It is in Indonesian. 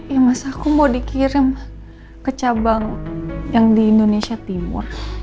ya mas aku mau dikirim ke cabang yang di indonesia timur